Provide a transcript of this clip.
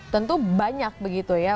tentu banyak begitu ya